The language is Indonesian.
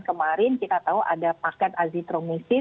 kemarin kita tahu ada paket azitromisin